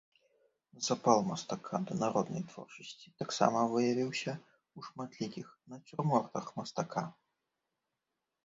Запал мастака да народнай творчасці таксама выявіўся ў шматлікіх нацюрмортах мастака.